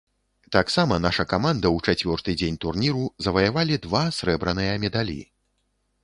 Таксама наша каманда ў чацвёрты дзень турніру заваявалі два срэбраныя медалі.